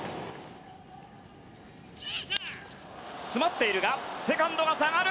詰まっているがセカンドが下がる。